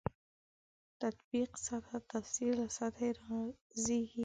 تطبیق سطح تفسیر له سطحې رازېږي.